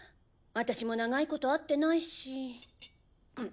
私も長いこと会ってないし。